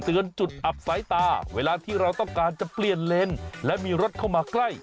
จุดอับสายตาเวลาที่เราต้องการจะเปลี่ยนเลนและมีรถเข้ามาใกล้